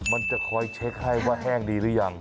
มันจะคอยเช็คให้ว่าแห้งดีหรือยัง